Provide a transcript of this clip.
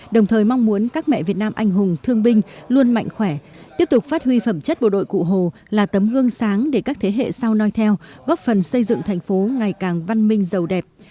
đồng thời mong muốn các mẹ việt nam anh hùng thương binh luôn mạnh khỏe tiếp tục phát huy phẩm chất bộ đội cụ hồ là tấm gương sáng để các thế hệ sau noi theo góp phần xây dựng thành phố ngày càng văn minh giàu đẹp